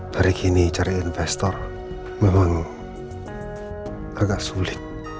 hari ini cari investor memang agak sulit